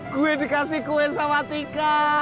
gue dikasih kue sama tika